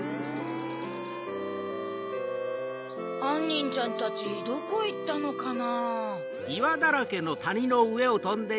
あんにんちゃんたちどこいったのかな？